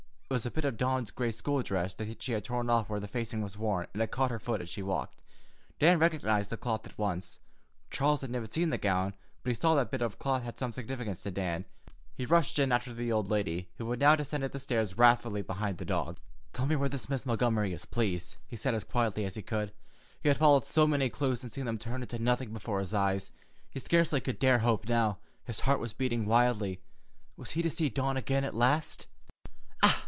It was a bit of Dawn's gray school dress that she had torn off where the facing was worn and had caught her foot as she walked. Dan recognized the cloth at once. Charles had never seen the gown, but he saw that the bit of cloth had some significance to Dan. He rushed in after the old lady, who had now descended the stairs wrathfully behind the dog. "Tell me where this Miss Montgomery is, please," he said as quietly as he could. He had followed so many clues and seen them turn into nothing before his eyes, he scarcely could dare hope now. His heart was beating wildly. Was he to see Dawn again at last?